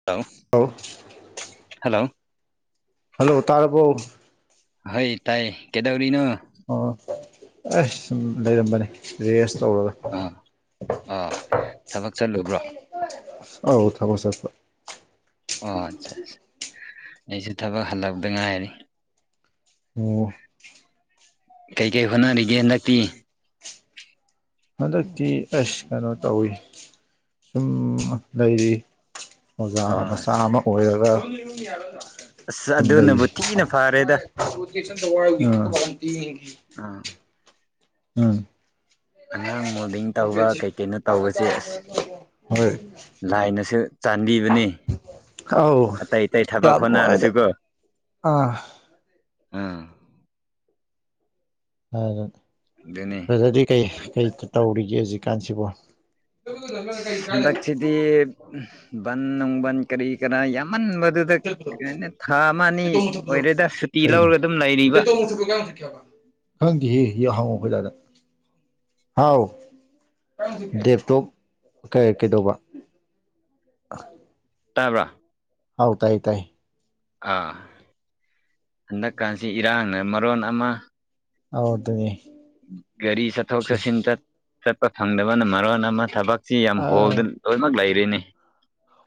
[unintelligible] [unintelligible] hello hello ꯇꯥꯔꯕꯣ ꯍꯣꯏ ꯇꯥꯏꯌꯦ ꯀꯩꯗꯧꯔꯤꯅꯣ ꯑꯣ ꯑꯩꯁ ꯁꯨꯝ ꯂꯩꯔꯝꯕꯅꯦ ꯔꯦꯁ ꯇꯧꯔꯒ ꯑꯥ ꯑꯥ ꯊꯕꯛ ꯆꯠꯂꯨꯕ꯭ꯔꯣ ꯑꯥꯎ ꯊꯕꯛ ꯆꯠꯄ ꯑꯣ ꯑꯠꯆꯥ ꯑꯠꯆꯥ ꯑꯩꯁꯨ ꯊꯕꯛ ꯍꯜꯂꯛꯗ ꯉꯥꯏꯔꯤ ꯑꯣ ꯀꯩ ꯀꯩ ꯍꯣꯠꯅꯔꯤꯒꯦ ꯍꯟꯗꯛꯇꯤ ꯍꯟꯗꯛꯇꯤ ꯑꯁ ꯀꯩꯅꯣ ꯇꯧꯋꯤ ꯁꯨꯝ ꯂꯩꯔꯤ ꯑꯣꯖꯥ ꯑꯣ ꯃꯆꯥ ꯑꯁ ꯑꯃ ꯑꯣꯏꯔꯒ ꯑꯁ ꯁꯨꯝ ꯑꯗꯨꯅꯕꯨ ꯂꯩꯔꯤ ꯊꯤꯅ ꯐꯔꯦꯗ [unintelligible] ꯑꯥ ꯑꯥ ꯑꯉꯥꯡ ꯃꯣꯗꯤꯡ ꯇꯧꯕ ꯀꯩꯀꯩꯅꯣ ꯇꯧꯕꯁꯦ ꯑꯁ ꯍꯣꯏ ꯂꯥꯏꯅꯁꯨ ꯆꯥꯟꯕꯤꯕꯅꯤ ꯑꯧ ꯂꯥꯏꯅꯁꯨ ꯑꯇꯩ ꯑꯇꯩ ꯊꯕꯛ ꯌꯥꯝ ꯅꯨꯡꯉꯥꯏꯗ ꯍꯣꯠꯅꯔꯁꯨꯀꯣ ꯑꯥ ꯑꯥ ꯑꯥ ꯗꯨꯅꯦ ꯑꯗꯨꯗꯤ ꯀꯩ ꯀꯩ ꯇꯧꯔꯤꯒꯦ ꯍꯧꯖꯤꯛꯀꯥꯟꯁꯤꯕꯣ ꯍꯟꯗꯛꯁꯤꯗꯤ ꯕꯟ ꯅꯨꯡ ꯕꯟ ꯀꯔꯤ ꯀꯔꯥ ꯌꯥꯝꯃꯟꯕꯗꯨ ꯍꯟꯗꯛ ꯀ ꯊꯥ ꯑꯃ ꯑꯅꯤ ꯂꯦꯇꯣ ꯃꯨꯊꯠꯄꯗꯣ ꯑꯣꯏꯔꯦꯗ ꯁꯨꯇꯤ ꯀꯩꯅꯣ ꯂꯧꯔꯒ ꯑꯗꯨꯝ ꯂꯩꯔꯤꯕ ꯈꯪꯗꯤꯍꯦ ꯍ ꯍꯪꯉꯣ ꯑꯩꯈꯣꯏ ꯇꯗ ꯍꯥꯎ ꯗꯦꯞꯇꯣꯞ ꯀꯩꯗꯧꯕ ꯇꯥꯕ꯭ꯔꯥ ꯍꯥꯎ ꯇꯥꯏ ꯇꯥꯏ ꯑꯥ ꯍꯟꯗꯛꯀꯥꯟꯁꯤ ꯏꯔꯥꯡꯅ ꯃꯔꯣꯟ ꯑꯃ ꯑꯧ ꯑꯗꯨꯅꯦ ꯒꯥꯔꯤ ꯆꯠꯊꯣꯛ ꯆꯠꯁꯤꯟ ꯆꯠꯄ ꯐꯪꯗꯕꯅ ꯃꯔꯣꯟ ꯑꯃ ꯊꯕꯛꯁꯤ ꯌꯥꯝ ꯑꯥ ꯍꯣꯜꯗꯅ ꯂꯣꯏꯅꯃꯛ ꯂꯩꯔꯤꯅꯤ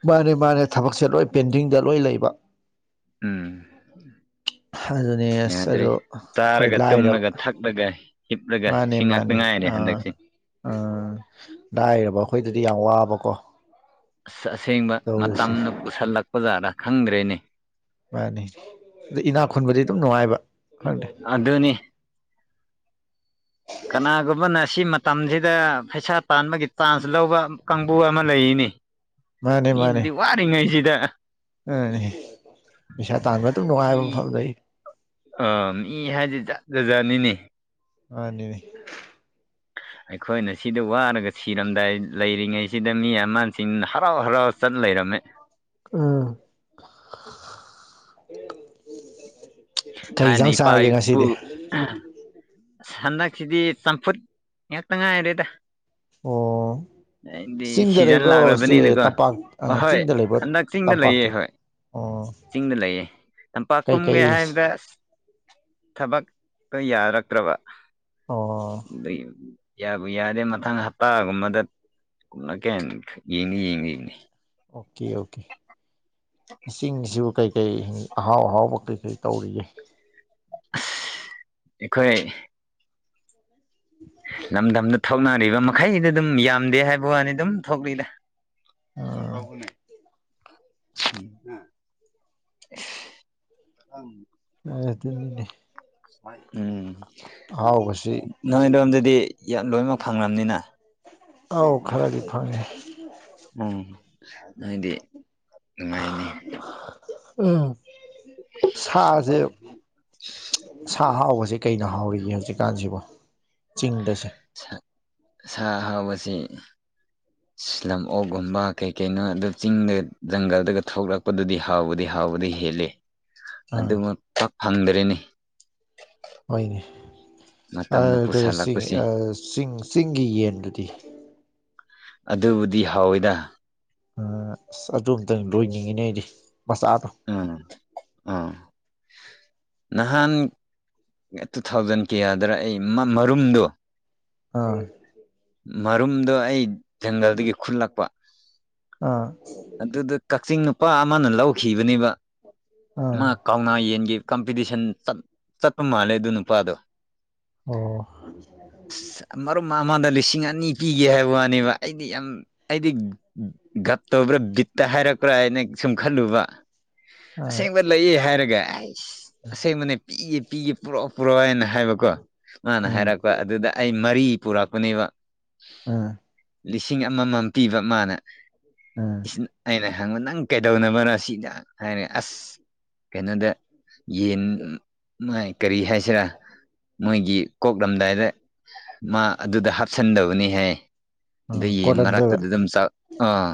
ꯃꯥꯅꯦ ꯃꯥꯅꯦ ꯊꯕꯛꯁꯦ ꯂꯣꯏ ꯄꯦꯟꯗꯤꯡꯗ ꯂꯣꯏ ꯂꯩꯕ ꯎꯝ ꯑꯗꯨꯅꯦ ꯑꯁ ꯌꯥꯗ꯭ꯔꯦ ꯑꯗꯣ ꯍꯣꯏ ꯆꯥꯔꯒ ꯂꯥꯏꯔꯕ ꯇꯨꯝꯂꯒ ꯊꯛꯂꯒ ꯍꯤ ꯎꯨꯞꯂꯒ ꯁꯤ ꯉꯥꯛꯇ ꯉꯥꯏꯔꯦ ꯍꯟꯗꯛꯁꯦ ꯎꯝ ꯂꯥꯏꯔꯕ ꯑꯩꯈꯣꯏꯗꯗꯤ ꯌꯥꯝ ꯋꯥꯕꯀꯣ ꯑꯁ ꯑꯁꯦꯡꯕ ꯇꯧꯔꯤꯁꯦ ꯃꯇꯝꯅ ꯄꯨꯁꯤꯜꯂꯛꯄ ꯖꯥꯠꯗ ꯈꯪꯗ꯭ꯔꯦꯅꯦ ꯃꯥꯅꯤ ꯑꯗ ꯏꯅꯥꯛ ꯈꯨꯟꯕꯗꯤ ꯑꯗꯨꯝ ꯅꯨꯡꯉꯥꯏꯕ ꯈꯪꯗꯦ ꯑꯗꯨꯅꯤ ꯀꯅꯥꯒꯨꯝꯕꯅ ꯁꯤ ꯃꯇꯝꯁꯤꯗ ꯄꯩꯁꯥ ꯇꯥꯟꯕꯒꯤ ꯆꯥꯟꯁ ꯂꯧꯕ ꯀꯥꯡꯕꯨ ꯑꯃ ꯂꯩꯔꯤꯅꯦ ꯃꯥꯅꯦ ꯃꯤ ꯅꯗꯤ ꯋꯥꯔꯤ ꯉꯩꯁꯤꯗ ꯎ ꯄꯩꯁꯥ ꯇꯥꯟꯕ ꯑꯗꯨꯝ ꯃꯤ ꯅꯨꯡꯉꯥꯏꯕ ꯃꯐꯝ ꯂꯩ ꯑ ꯃꯤ ꯍꯥꯏꯗꯤ ꯖꯥꯠ ꯖꯥꯠꯅꯤꯅꯦ ꯃꯥꯅꯦ ꯑꯩꯈꯣꯏꯅ ꯁꯤꯗ ꯋꯥꯔꯒ ꯁꯤꯔꯝꯗꯥꯏ ꯂꯩꯔꯤꯉꯩꯁꯤꯗ ꯃꯤ ꯑꯃꯁꯤꯡ ꯍꯔꯥꯎ ꯍꯔꯥꯎ ꯆꯠ ꯂꯩꯔꯝꯃꯤ ꯎꯝ ꯀꯩ ꯌꯦꯟꯖꯥꯡ ꯆꯥꯔꯒꯦ ꯉꯁꯤꯗꯤ ꯑꯥ ꯑꯁ ꯍꯟꯗꯛꯁꯤꯗꯤ ꯆꯝꯐꯨꯠ ꯉꯥꯛꯇ ꯉꯥꯏꯔꯦꯗ ꯑꯣ ꯑꯩꯗꯤ ꯆꯤꯡꯗ ꯁꯤꯖꯟ ꯂꯩꯕ꯭ꯔꯣ ꯁꯦ ꯂꯥꯛꯑꯕꯅꯤꯅꯀꯣ ꯇꯝꯄꯥꯛ ꯑꯍꯣꯏ ꯆꯤꯡꯗ ꯂꯩꯕ꯭ꯔꯣ ꯍꯟꯗꯛ ꯆꯤꯡꯗ ꯂꯩꯌꯦ ꯇꯝꯄꯥꯛꯇ ꯍꯣꯏ ꯑꯣ ꯆꯤꯡꯗ ꯂꯩꯌꯦ ꯇꯝꯄꯥꯛ ꯀꯨꯝꯒꯦ ꯀꯩꯀꯩ ꯍꯥꯏꯕꯗ ꯑꯁ ꯊꯕꯛꯇ ꯌꯥꯔꯛꯇ꯭ꯔꯕ ꯑꯣ ꯑꯗꯨꯒꯤ ꯌꯥꯕꯨ ꯌꯥꯔꯗꯤ ꯃꯊꯪ ꯍꯞꯇꯥꯒꯨꯝꯕꯗ ꯀꯨꯝꯂꯛꯀꯦ ꯍꯥꯏꯅ ꯌꯦꯡꯗꯤ ꯌꯦꯡꯉꯤ ꯑꯣꯀꯦ ꯑꯣꯀꯦ ꯆꯤꯡꯁꯤꯕꯨ ꯀꯩ ꯀꯩ ꯑꯍꯥꯎ ꯑꯍꯥꯎꯕ ꯀꯩ ꯀꯩ ꯇꯧꯔꯤꯒꯦ ꯑꯩꯈꯣꯏ [inaudible] ꯂꯝꯗꯝꯗ ꯊꯧꯅꯔꯤꯕ ꯃꯈꯩꯗꯤ ꯑꯗꯨꯝ ꯌꯥꯝꯗꯦ ꯍꯥꯏꯕ ꯋꯥꯅꯤ ꯑꯗꯨꯝ ꯊꯣꯛꯂꯤꯗ ꯑꯥ ꯁꯪꯈꯔꯥꯎꯕꯨꯅꯦ ꯑꯁ ꯎꯝ ꯍꯣꯏ ꯑꯗꯨꯅꯤꯅꯦ ꯎꯝ ꯑꯍꯥꯎꯕꯁꯤ ꯅꯣꯏ ꯑꯗꯣꯝꯗꯗꯤ ꯌꯥꯝ ꯂꯣꯏꯅꯃꯛ ꯐꯪꯂꯝꯅꯤꯅ ꯑꯥꯎ ꯈꯔꯗꯤ ꯐꯪꯉꯦ ꯎꯝ ꯅꯣꯏꯗꯤ ꯅꯨꯡꯉꯥꯏꯅꯤ ꯎꯝ ꯁꯥꯖꯦ ꯁꯥ ꯑꯍꯥꯎꯕꯁꯦ ꯀꯩꯅ ꯍꯥꯎꯔꯤꯒꯦ ꯍꯧꯖꯤꯛꯀꯥꯟꯁꯤꯕꯣ ꯆꯤꯡꯗꯁꯦ ꯁꯥ ꯑꯍꯥꯎꯕꯁꯤ ꯂꯝ ꯑꯣꯛꯒꯨꯝꯕ ꯀꯩ ꯀꯩꯅꯣ ꯑꯗꯨ ꯆꯤꯡꯗ ꯖꯪꯒꯜꯗꯒ ꯊꯣꯛꯂꯛꯄꯗꯨꯗꯤ ꯍꯥꯎꯕꯗꯤ ꯍꯥꯎꯕꯗꯤ ꯍꯦꯜꯂꯤ ꯑꯥ ꯑꯗꯨꯃꯛ ꯄꯥꯛ ꯐꯪꯗꯔꯦꯅꯤ ꯍꯣꯏꯅꯦ ꯃꯇꯝꯅ ꯄꯨꯁꯜꯂꯛꯄꯁꯤ ꯆꯤꯡ ꯆꯤꯡꯒꯤ ꯌꯦꯟꯗꯨꯗꯤ ꯑꯗꯨꯕꯨꯗꯤ ꯍꯥꯎꯋꯤꯗ ꯑꯥ ꯑꯁ ꯑꯗꯨ ꯑꯝꯇꯪ ꯂꯣꯏꯅꯤꯡꯉꯤꯅꯦ ꯑꯩꯗꯤ ꯃꯆꯥꯗꯣ ꯎꯝ ꯑꯥ ꯅꯍꯥꯟ ꯇꯨ ꯊꯥꯎꯖꯟ ꯀꯌꯥꯗ꯭ꯔꯥ ꯑꯩ ꯃꯔꯨꯝꯗꯣ ꯑꯥ ꯃꯔꯨꯝꯗꯣ ꯑꯩ ꯖꯪꯒꯜꯗꯒꯤ ꯈꯨꯠꯂꯛꯄ ꯑꯥ ꯑꯗꯨꯗ ꯀꯛꯆꯤꯡ ꯅꯨꯄꯥ ꯑꯃꯅ ꯂꯧꯈꯤꯕꯅꯦꯕ ꯑꯥ ꯃꯥ ꯀꯥꯎꯅ ꯌꯦꯟꯒꯤ ꯀꯝꯄꯤꯇꯤꯁꯟꯆꯠ ꯆꯠꯄ ꯃꯥꯜꯂꯦ ꯑꯗꯨ ꯅꯨꯄꯥꯗꯣ ꯑꯣ [unintelligible] ꯑꯁ ꯃꯔꯨꯞ ꯑꯃꯗ ꯂꯤꯁꯤꯡ ꯑꯅꯤ ꯄꯤꯒꯦ ꯍꯥꯏꯕ ꯋꯥꯅꯦꯕ ꯑꯩꯗꯤ ꯌꯥꯝ ꯑꯩꯗꯤ ꯒꯞ ꯇꯧꯕ꯭ꯔꯥ ꯕꯤꯠꯇ ꯍꯥꯏꯔꯛꯄ꯭ꯔꯥ ꯍꯥꯏꯅ ꯁꯨꯝ ꯈꯜꯂꯨꯕ ꯑꯥ ꯑꯁꯦꯡꯕ ꯂꯩꯌꯦ ꯍꯥꯏꯔꯒ ꯑꯩ ꯑꯁꯦꯡꯕꯅꯦ ꯄꯤꯒꯦ ꯄꯤꯒꯦ ꯄꯨꯔꯛꯑꯣ ꯄꯨꯔꯛꯑꯣ ꯍꯥꯏꯅ ꯍꯥꯏꯕꯀꯣ ꯃꯥꯅ ꯎꯝ ꯍꯥꯏꯔꯛꯄ ꯑꯗꯨꯗ ꯑꯩ ꯃꯔꯤ ꯄꯨꯔꯛꯄꯅꯦꯕ ꯑꯥ ꯂꯤꯁꯤꯡ ꯑꯃꯃꯝ ꯄꯤꯕ ꯃꯥꯅ ꯑꯥ ꯑꯩꯅ ꯍꯪꯕ ꯅꯪ ꯀꯩꯗꯧꯅꯕꯅꯣ ꯁꯤꯗ ꯍꯥꯏꯔꯦ ꯑꯁ ꯀꯩꯅꯣꯗ ꯌꯦꯟ ꯃꯥꯏ ꯀꯔꯤ ꯍꯥꯏꯁꯤꯔꯥ ꯃꯣꯏꯒꯤ ꯀꯣꯛꯂꯝꯗꯥꯏꯗ ꯃꯥ ꯑꯗꯨꯗ ꯍꯥꯞꯆꯟꯗꯕꯅꯤ ꯍꯥꯏ ꯑꯗ ꯎꯝ ꯌꯦꯟ ꯀꯣꯜꯍꯟꯗꯣꯏꯕ ꯃꯔꯛꯇꯨꯗ ꯑꯗꯨꯝ ꯆꯛ ꯑꯥ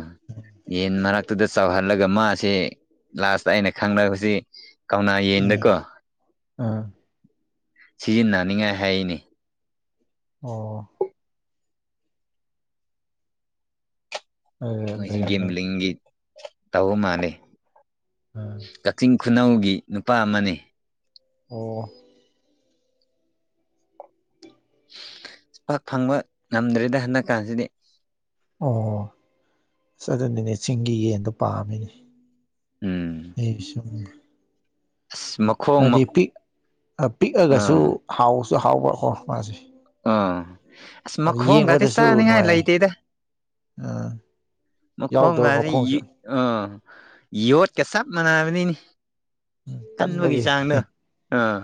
ꯌꯦꯟ ꯃꯔꯛꯇꯨꯗ ꯆꯥꯎꯍꯜꯂꯒ ꯃꯥꯁꯤ ꯂꯥꯁꯇ ꯑꯩꯅ ꯈꯪꯅꯕꯁꯤ ꯀꯥꯎꯅ ꯎꯝ ꯌꯦꯟꯗꯀꯣ ꯑꯥ ꯁꯤꯖꯤꯟꯅꯅꯤꯡꯉꯥꯏ ꯍꯥꯏꯔꯤꯅꯦ ꯑꯣ ꯑꯗꯨ ꯃꯣꯏꯁꯤ ꯂꯩꯔꯝꯒꯅꯤ ꯒꯦꯝꯂꯤꯡꯒꯤ ꯇꯧꯕ ꯃꯥꯂꯦ ꯎꯝ ꯀꯛꯆꯤꯡ ꯈꯨꯅꯧꯒꯤ ꯅꯨꯄꯥ ꯑꯃꯅꯤ ꯑꯣ ꯄꯥꯛ ꯐꯪꯕ ꯉꯝꯗ꯭ꯔꯦꯗ ꯍꯟꯗꯛ ꯀꯥꯟꯁꯤꯗꯤ ꯑꯣ ꯑꯁ ꯑꯗꯨꯅꯤꯅꯦ ꯆꯤꯡꯒꯤ ꯌꯦꯟꯗꯣ ꯄꯥꯝꯃꯤꯅꯦ ꯎꯝ [unintelligible] [unintelligible] ꯍꯥꯏꯗꯤ ꯄꯤꯛ ꯄꯤꯛꯑꯒꯁꯨ ꯑꯥ ꯍꯥꯎꯁꯨ ꯍꯥꯎꯕꯀꯣ ꯃꯥꯁꯦ ꯑ ꯑꯁ ꯑꯗ ꯃꯈꯣꯡꯒꯗꯤ ꯌꯦꯡꯕꯗꯁꯨ ꯆꯥꯅꯤꯡꯉꯥꯏ ꯅꯨꯡꯉꯥꯏ ꯂꯩꯇꯦꯗ ꯑꯥ ꯌꯥꯎꯗꯕ ꯃꯈꯣꯡꯒꯁꯤ ꯃꯈꯣꯡꯁꯨ ꯑꯥ ꯌꯣꯠꯀ ꯆꯞ ꯃꯥꯟꯅꯕꯅꯤꯅꯤ ꯀꯟꯕꯒꯤ ꯆꯥꯡꯗꯣ ꯑꯥ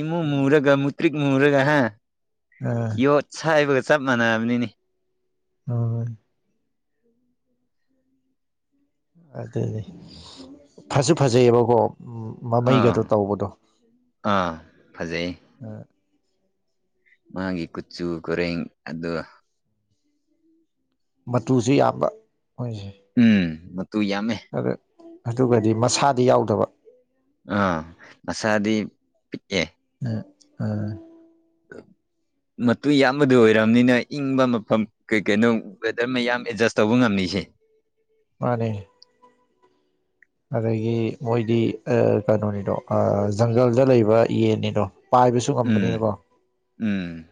ꯏꯃꯨ ꯃꯨꯔꯒ ꯃꯨꯇ꯭ꯔꯤꯛ ꯃꯨꯔꯒ ꯍꯥ ꯑꯥ ꯌꯣꯠ ꯁꯥꯏꯕꯒ ꯆꯞ ꯃꯥꯟꯅꯕꯅꯤꯅꯦ ꯍꯣꯏ [unintelligible] ꯑꯗꯨꯅꯤ ꯐꯁꯨ ꯐꯖꯩꯑꯦꯕꯀꯣ ꯃꯃꯩꯒꯗꯣ ꯑꯥ ꯇꯧꯕꯗꯣ ꯑꯥ ꯐꯖꯩ ꯃꯥꯒꯤ ꯀꯨꯆꯨ ꯀꯨꯔꯦꯡ ꯑꯗꯨ ꯃꯇꯨꯁꯨ ꯌꯥꯝꯕ ꯃꯣꯏꯁꯦ ꯎꯝ ꯃꯇꯨ ꯌꯥꯝꯃꯦ ꯑ ꯑꯗꯨꯒꯗꯤ ꯃꯁꯥꯗꯤ ꯌꯥꯎꯗꯕ ꯑꯥ ꯃꯁꯥꯗꯤ ꯄꯤꯛꯑꯦ ꯑ ꯑ ꯃꯇꯨ ꯌꯥꯝꯕꯗꯨ ꯑꯣꯏꯔꯝꯅꯤꯅ ꯏꯪꯕ ꯃꯐꯝ ꯀꯩ ꯀꯩꯅꯣ ꯋꯦꯗꯔ ꯃꯌꯥꯝ ꯑꯦꯗꯖꯁ ꯇꯧꯕ ꯉꯝꯃꯤꯁꯦ ꯃꯥꯅꯦ ꯑꯗꯒꯤ ꯃꯣꯏꯗꯤ ꯑ ꯀꯩꯅꯣꯅꯤꯗꯣ ꯖꯪꯒꯜꯗ ꯂꯩꯕ ꯌꯦꯟꯅꯤꯗꯣ ꯄꯥꯏꯕꯁꯨ ꯎꯝ ꯉꯝꯕꯅꯤꯕꯣ ꯎꯝ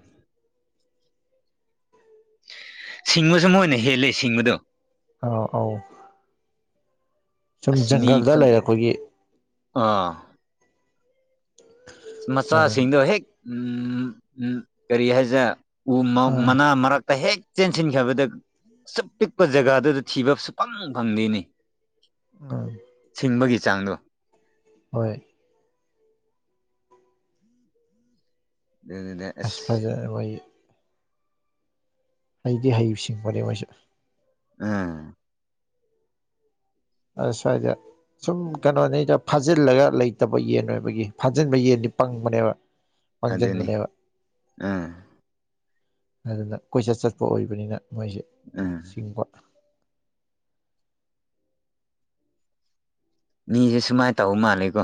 ꯁꯤꯡꯕꯁꯨ ꯃꯣꯏꯅ ꯍꯦꯜꯂꯦ ꯁꯤꯡꯕꯗꯣ ꯑꯥ ꯑꯧ ꯁꯨꯝ ꯑꯁ ꯃꯤ ꯖꯪꯒꯜꯗ ꯈꯨꯟꯖꯦ ꯂꯩꯔꯛꯄꯒꯤ ꯑꯥ ꯑꯗꯨꯅ ꯃꯆꯥꯁꯤꯡꯗꯣ ꯍꯦꯛ ꯎꯝ ꯎꯝ ꯀꯔꯤ ꯍꯥꯏꯁꯤꯔ ꯎ ꯑꯥ ꯃꯅꯥ ꯃꯔꯛꯇ ꯍꯦꯛ ꯆꯦꯟꯁꯤꯟꯈꯤꯕꯗ ꯁꯨꯛ ꯄꯤꯛꯄ ꯖꯒꯥꯗꯨꯗ ꯊꯤꯕ ꯁꯨꯛꯐꯪ ꯐꯪꯗꯦꯅꯤ [unintelligible] ꯊꯤꯡꯕꯒꯤ ꯆꯥꯡꯗꯨ ꯍꯣꯏ ꯑꯗꯨꯅꯤꯅꯦ ꯑꯁ ꯐꯖꯔꯦ ꯋꯥꯔꯤ ꯍꯩꯗꯤ ꯍꯩ ꯁꯤꯡꯕꯅꯦ ꯃꯣꯏꯁꯨ ꯎꯝ ꯑꯁ ꯁꯋꯥꯏꯗ ꯁꯨꯝ ꯀꯩꯅꯣꯅꯤꯗ ꯐꯥꯖꯤꯜꯂꯒ ꯂꯩꯇꯕ ꯌꯦꯟ ꯑꯣꯏꯕꯒꯤ ꯐꯥꯖꯤꯟꯕ ꯌꯦꯟꯗꯤ ꯄꯪꯕꯅꯦꯕ [inaudible] ꯄꯪꯖꯟꯕꯅꯦꯕ ꯑꯥ ꯑꯗꯨꯅ ꯀꯣꯏꯆꯠ ꯆꯠꯄ ꯑꯣꯏꯕꯅꯤꯅ ꯃꯣꯏꯁꯦ ꯎꯝ ꯆꯤꯡꯕ ꯃꯤꯁꯦ ꯁꯨꯃꯥꯏꯟ ꯇꯧꯕ ꯃꯥꯜꯂꯦꯀꯣ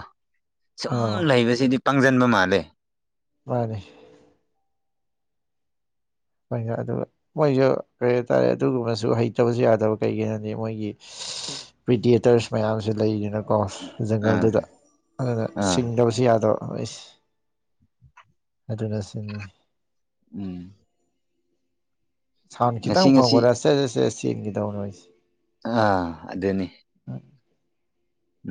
ꯁꯨꯝ ꯑꯥꯎ ꯂꯩꯕꯁꯤꯗꯤ ꯄꯥꯡꯖꯟꯕ ꯃꯥꯜꯂꯦ ꯃꯥꯅꯦ ꯍꯣꯏꯅ ꯑꯗꯨꯒ ꯃꯣꯏꯁꯨ ꯀꯩ ꯍꯥꯏꯇꯥꯔꯦ ꯑꯗꯨꯒꯨꯝꯕꯁꯨ ꯍꯩꯇꯕꯁꯨ ꯌꯥꯗꯕ ꯀꯩꯒꯤ ꯍꯥꯏꯗꯤ ꯃꯣꯏꯒꯤ [unintelligible] ꯄ꯭ꯔꯤꯗꯤꯌꯦꯇꯔꯁ ꯃꯌꯥꯝꯁꯨ ꯂꯩꯗꯅꯀꯣ ꯑꯥ ꯖꯪꯒꯜꯗꯨꯗ ꯑꯗꯨꯅ ꯑꯥ ꯁꯤꯡꯗꯕꯁꯨ ꯌꯥꯗꯕ ꯃꯣꯏꯁ ꯍꯗꯨꯅ ꯁꯨꯅꯤ ꯎꯝ ꯁꯥꯎꯟ ꯉꯁꯤ ꯈꯤꯇꯪ ꯉꯁꯤ ꯐꯪꯕꯔ ꯁꯦ ꯁꯦ ꯁꯦ ꯆꯦꯟꯒꯤꯗꯧ ꯅꯣꯏꯁꯦ ꯑ ꯑꯗꯨꯅꯤ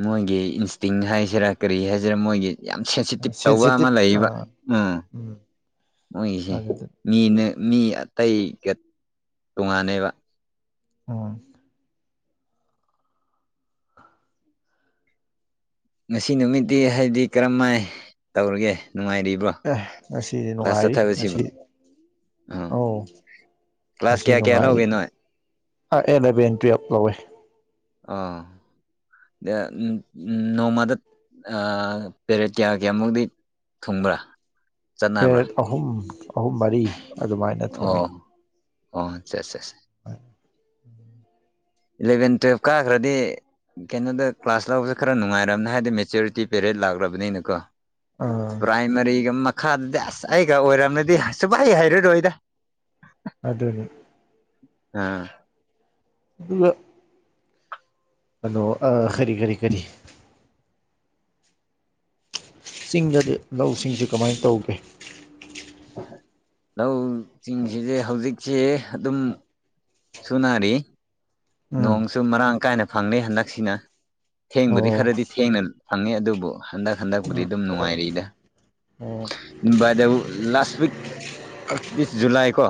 ꯃꯣꯏꯒꯤ ꯏꯟꯁꯇꯤꯡ ꯍꯥꯏꯁꯤꯔꯥ ꯀꯔꯤ ꯍꯥꯏꯁꯤꯔꯥ ꯃꯣꯏꯒꯤ ꯌꯥꯝ ꯁꯦꯟꯁꯤꯇꯤꯞ ꯇꯧꯕ ꯑꯃ ꯁꯦꯟꯁꯤꯇꯤꯞ ꯂꯩꯌꯦꯕ ꯑꯥ ꯎꯝ ꯃꯣꯏꯒꯤꯁꯦ ꯑꯗꯨꯗꯤ ꯃꯤꯅ ꯃꯤ ꯑꯇꯩꯒ ꯇꯣꯉꯥꯟꯅꯦꯕ ꯎꯝ ꯉꯁꯤ ꯅꯨꯃꯤꯠꯗꯤ ꯍꯥꯏꯗꯤ ꯀꯔꯝꯃꯥꯏ ꯇꯧꯔꯤꯒꯦ ꯅꯨꯡꯉꯥꯏꯔꯤꯕ꯭ꯔꯣ ꯑꯦ ꯉꯁꯤꯗꯤ ꯀ꯭ꯂꯥꯁ ꯅꯨꯡꯉꯥꯏꯔꯤ ꯆꯠꯊꯕꯁꯤꯕꯨ ꯉꯁꯤ ꯑꯥ ꯑꯣ ꯀ꯭ꯂꯥꯁ ꯉꯁꯤ ꯀꯌꯥ ꯀꯌꯥ ꯅꯨꯡꯉꯥꯏꯔꯤ ꯂꯧꯒꯦ ꯅꯣꯏ ꯑ ꯑꯦꯂꯚꯦꯟ ꯇꯨꯋꯦꯜꯞ ꯂꯧꯋꯦ ꯑꯥ ꯑꯦ ꯎꯝ ꯅꯣꯡꯃꯗ ꯑꯥ ꯄꯦꯔꯦꯠ ꯀꯌꯥ ꯀꯌꯥꯃꯨꯛꯗꯤ ꯊꯨꯡꯕ꯭ꯔꯥ ꯄꯦꯔꯦꯠ ꯑꯍꯨꯝ ꯑꯍꯨꯝ ꯃꯔꯤ ꯑꯗꯨꯃꯥꯏꯅ ꯊꯨꯡꯏ ꯑꯣ ꯑꯣ ꯆꯦꯁ ꯆꯦꯁ ꯍ [unintelligible] ꯏꯂꯚꯦꯟ ꯇꯨꯌꯦꯜꯞ ꯀꯥꯒꯔꯗꯤ ꯀꯩꯅꯣꯗ ꯀ꯭ꯂꯥꯁ ꯂꯧꯕꯁꯦ ꯈꯔ ꯅꯨꯡꯉꯥꯏꯔꯝꯅꯦ ꯍꯥꯏꯗꯤ ꯃꯦꯆꯌꯨꯔꯤꯇꯤ ꯄꯦꯔꯦꯠ ꯂꯥꯛꯔꯕꯅꯤꯅꯀꯣ ꯑꯥ ꯄ꯭ꯔꯥꯏꯃꯔꯤꯒ ꯃꯠ ꯈꯥꯗꯗꯤ ꯑꯁ ꯑꯩꯒ ꯑꯣꯏꯔꯝꯃꯗꯤ ꯁꯨꯞꯍꯩ ꯍꯩꯔꯔꯣꯏꯗ ꯑꯗꯨꯅꯤ ꯑꯝ ꯏꯌꯦ [unintelligible] ꯑꯗꯣ ꯑꯥ ꯀꯔꯤ ꯀꯔꯤ ꯀꯔꯤ ꯆꯤꯡꯗꯗꯤ ꯂꯧꯁꯤꯡꯁꯤ ꯀꯃꯥꯏ ꯇꯧꯒꯦ ꯂꯧꯆꯤꯡꯁꯤꯁꯦ ꯍꯧꯖꯤꯛꯁꯦ ꯑꯗꯨꯝ ꯁꯨꯅꯔꯤ ꯎꯝ ꯅꯣꯡꯁꯨ ꯃꯔꯥꯡ ꯀꯥꯏꯅ ꯐꯪꯅꯩ ꯍꯟꯗꯛꯁꯤꯅ ꯑꯣ ꯊꯦꯡꯕꯗꯤ ꯈꯔꯗꯤ ꯊꯦꯡꯅ ꯐꯪꯉꯦ ꯑꯗꯨꯕꯨ ꯍꯟꯗꯛ ꯍꯟꯗꯛꯄꯨꯗꯤ ꯎꯝ ꯑꯗꯨꯝ ꯅꯨꯡꯉꯥꯏꯔꯤꯗ ꯑꯣ ꯕꯥꯏꯗꯋꯨꯗ last week of this July ꯀꯣ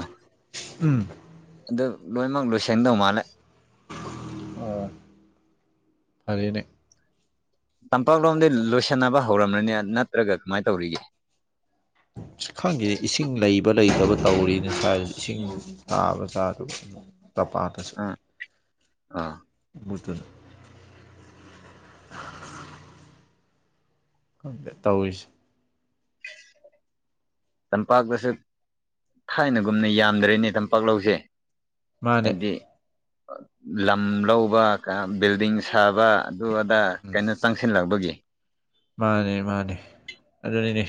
ꯎꯝ ꯑꯗꯨ ꯂꯣꯏꯃꯛ ꯂꯣꯏꯁꯟꯗꯧ ꯃꯥꯜꯂꯦ ꯑꯣ ꯐꯔꯦꯅꯦ ꯇꯝꯄꯥꯛꯂꯣꯝꯗꯤ ꯂꯣꯏꯁꯟꯅꯕ ꯍꯧꯔꯝꯃꯅꯤ ꯅꯠꯇ꯭ꯔꯒ ꯀꯃꯥꯏ ꯇꯧꯔꯤꯒꯦ ꯈꯪꯗꯦ ꯏꯁꯤꯡ ꯂꯩꯕ ꯂꯩꯇꯕ ꯇꯧꯔꯤꯅꯦ ꯁꯋ꯭ꯥꯏ ꯏꯁꯤꯡ ꯇꯥꯕ ꯇꯥꯗꯕꯥ ꯇꯝꯄꯥꯛꯇ ꯑ ꯑꯥ ꯕꯨꯇꯨꯟ ꯈꯪꯗ‌ꯦ ꯇꯧꯋꯤꯁ ꯇꯝꯄꯥꯛꯇꯁꯨ ꯊꯥꯏꯅꯒꯨꯝꯅ ꯌꯥꯝꯗ꯭ꯔꯦꯅꯦ ꯇꯝꯄꯥꯛ ꯂꯧꯁꯦ ꯃꯥꯅꯦ ꯍꯥꯏꯗꯤ ꯑ ꯂꯝ ꯂꯧꯕ ꯕꯤꯜꯗꯤꯡ ꯁꯥꯕ ꯑꯗꯨ ꯑꯗꯥ ꯀꯩꯅꯣ ꯆꯪꯁꯤꯜꯂꯛꯄꯒꯤ ꯃꯥꯅꯦ ꯃꯥꯅꯦ ꯑꯗꯨꯅꯤꯅꯦ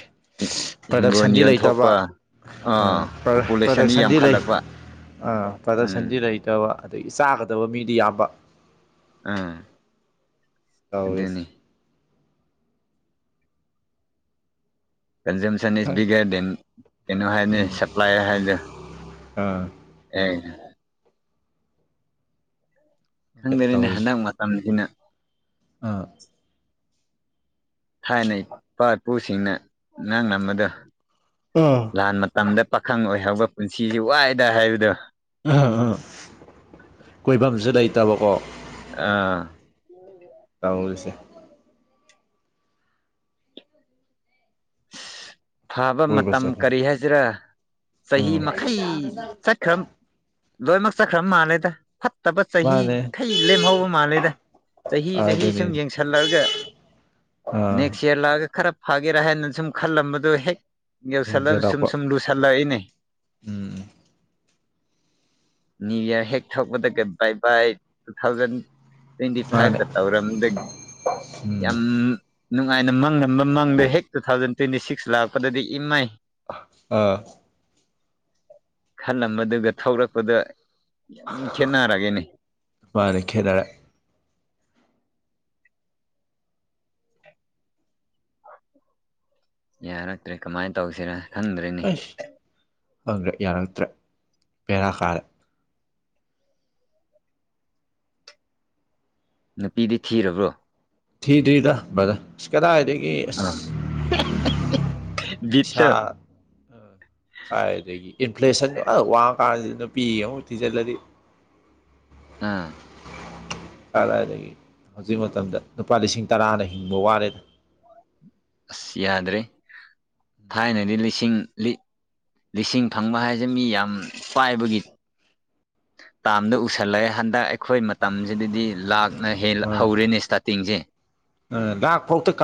ꯍꯤꯡꯒꯣꯜ ꯄ꯭ꯔꯗꯛꯁꯟꯗꯤ ꯂꯩꯇꯕ ꯌꯣꯟꯊꯣꯛꯄ ꯑ ꯑꯥ ꯄ꯭ꯔ ꯄꯣꯄꯨꯂꯦꯁꯟꯗꯤ ꯄ꯭ꯔꯗꯛꯁꯟꯗꯤ ꯂꯩ ꯌꯥꯝꯈꯠꯂꯛꯄ ꯑ ꯄ꯭ꯔꯗꯛꯁꯟꯗꯤ ꯎꯝ ꯂꯩꯇꯕ ꯑꯗ‌ꯣ ꯏ ꯆꯥꯒꯗꯕ ꯃꯤꯗꯤ ꯌꯥꯝꯕ ꯑꯥ ꯑꯗꯨꯅꯤ ꯇꯧꯋꯤꯁ ꯀꯟꯖꯨꯝꯁꯟ ꯏꯁ ꯈꯪꯗꯦ ꯕꯤꯒꯔ ꯗ‌ꯦꯟ ꯀꯩꯅꯣ ꯍꯥꯏꯕꯅ‌ꯦ ꯎꯝ ꯁꯄ꯭ꯂꯥꯏꯔ ꯍꯥꯏꯕꯗ‌ꯣ ꯑꯥ [unintelligible] ꯈꯪꯗꯔꯤꯅꯦ ꯇꯧꯔꯤꯁꯦ ꯍꯟꯗꯛ ꯃꯇꯝꯁꯤꯅ ꯑꯥ ꯊꯥꯏꯅꯩ ꯏꯄꯥ ꯏꯄꯨꯁꯤꯡꯅ [unintelligible] ꯗ‌ꯣ ꯑ ꯂꯥꯟ ꯃꯇꯝꯗ ꯄꯥꯈꯪ ꯑꯣꯏꯍꯧꯕ ꯄꯨꯟꯁꯤ ꯋꯥꯏꯗ ꯍꯥꯏꯕꯗꯣ [unintelligible] ꯀꯣꯏꯐꯝꯖ‌ꯦ ꯂꯩꯇꯕꯀꯣ ꯑꯥ ꯇꯧꯔꯤꯁꯦ ꯊꯥꯕ ꯀꯣꯏꯕ ꯃꯇꯝ ꯆꯠꯄ ꯀꯔꯤ ꯍꯥꯏꯁꯤꯔꯥ ꯆꯍꯤ ꯎꯝ ꯃꯈꯩ ꯆꯠꯈ꯭ꯔꯝ ꯂꯣꯏꯃꯛ ꯆꯠꯈ꯭ꯔꯕ ꯃꯥꯜꯂꯦꯗ ꯐꯠ ꯇꯕ ꯃꯥꯅꯦ ꯆꯍꯤꯈꯩ ꯂꯦꯝꯍꯧꯕ ꯃꯥꯜꯂꯦꯗ ꯆꯍꯤ ꯆꯍꯤ ꯑꯗꯨꯅꯤ ꯁꯨꯝ ꯌꯦꯡꯁꯜꯂꯑꯒ ꯑꯥ ꯅꯦꯛꯁ ꯏꯌꯔ ꯂꯥꯛꯑꯒ ꯈꯔꯞ ꯐꯒꯦꯔꯥ ꯍꯥꯏꯅ ꯁꯨꯝ ꯈꯜꯂꯝꯕꯗꯣ ꯍꯦꯛ ꯌꯧꯁꯜꯂ ꯁꯨꯝ ꯍꯦꯟꯖꯜꯂꯛꯄ ꯁꯨꯝ ꯂꯨꯁꯜꯂꯛꯏꯅꯦ ꯎꯝ ꯅ꯭ꯌꯨ ꯏꯌꯥꯔ ꯍꯦꯛ ꯊꯣꯛꯄꯗꯒ ꯕꯥꯏ ꯕꯥꯏ ꯇꯨ ꯊꯥꯎꯖꯟ ꯇ꯭ꯋꯦꯟꯇꯤ ꯃꯥꯅꯦ ꯐꯥꯏꯚꯀ ꯇꯧꯔꯝꯕ ꯎꯝ ꯌꯥꯝ ꯅꯨꯡꯉꯥꯏꯅ ꯃꯪꯉꯝꯕ ꯃꯪꯗꯣ ꯍꯦꯛ ꯇꯨ ꯊꯥꯎꯖꯟ ꯇ꯭ꯋꯦꯟꯇꯤ ꯁꯤꯛꯁ ꯂꯥꯛꯄꯗꯗꯤ ꯏꯃꯩ ꯑꯥ ꯈꯜꯂꯝꯕꯗꯨꯒ ꯊꯧꯔꯛꯄꯗ ꯌꯥꯝ ꯈꯦꯠꯅꯔꯒ‌ꯦꯅ‌ꯦ ꯃꯥꯅ‌ꯦ ꯈꯦꯠꯅꯔ ꯌꯥꯔꯛꯇ꯭ꯔꯦ ꯀꯃꯥꯏꯟ ꯇꯧꯁꯤꯔꯥ ꯑꯁ ꯈꯪꯗ꯭ꯔꯦ ꯌꯥꯔꯛꯇ꯭ꯔꯦ ꯄꯦꯔꯥ ꯀꯥꯔ ꯅꯨꯄꯤꯗꯤ ꯊꯤꯔꯕ꯭ꯔꯣ ꯊꯤꯗ꯭ꯔꯤꯗ ꯕ꯭ꯔꯗ ꯏꯁ ꯀꯗꯥꯏꯗꯒꯤ ꯏꯁ ꯑꯥ ꯏꯁꯥ ꯕꯤꯠꯇ ꯀꯥꯏꯗꯒꯤ ꯏꯟꯐ꯭ꯂꯦꯁꯟ ꯑ ꯋꯥꯡ ꯀꯥꯟꯁꯤꯗ ꯅꯨꯄꯤ ꯑꯃꯨꯛ ꯊꯤꯖꯜꯂꯗꯤ ꯑꯥ ꯀꯥꯗꯥꯏꯗꯒꯤ ꯍꯧꯖꯤꯛ ꯃꯇꯝꯗ ꯂꯨꯄꯥ ꯂꯤꯁꯤꯡ ꯇꯔꯥꯅ ꯍꯤꯡꯕ ꯋꯥꯔꯦꯗ ꯑꯁ ꯌꯥꯗ꯭ꯔꯦ ꯊꯥꯏꯅꯗꯤ ꯂꯤꯁꯤꯡ ꯂꯤ ꯂꯤꯁꯤꯡ ꯐꯪꯕ ꯍꯥꯏꯖ‌ꯦ ꯃꯤ ꯌꯥꯝ ꯄꯥꯏꯕꯒꯤ ꯇꯥꯝꯗ ꯎꯁꯜꯂꯑꯦ ꯍꯟꯗꯛ ꯑꯩꯈꯣꯏ ꯃꯇꯝꯁꯤꯗꯗꯤ ꯂꯥꯛꯅ ꯍ‌ꯦꯟ ꯍꯧꯔꯦꯅꯦ ꯁ꯭ꯇꯥꯔꯇꯤꯡꯁꯦ ꯥꯑꯥ ꯂꯥꯛ ꯐꯣꯛꯇ ꯀꯝ